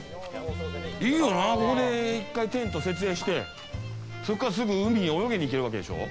いいよな、ここに１回テント設営してそれからすぐ海に泳ぎに行けるわけでしょ。